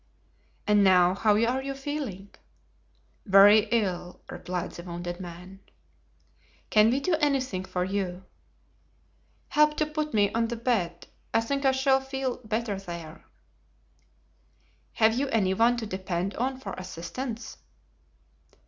"And now how are you feeling?" "Very ill," replied the wounded man. "Can we do anything for you?" asked Athos. "Help to put me on the bed; I think I shall feel better there." "Have you any one to depend on for assistance?"